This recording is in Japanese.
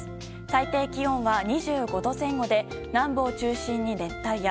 最低気温は２５度前後で南部を中心に熱帯夜。